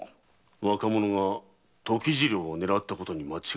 若者が時次郎を狙ったことに間違いはないが。